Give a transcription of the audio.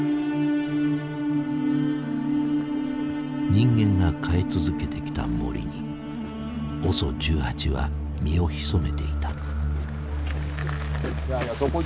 人間が変え続けてきた森にＯＳＯ１８は身を潜めていた。